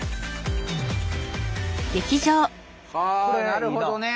なるほどね！